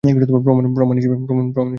প্রমাণ কী দিয়েছ?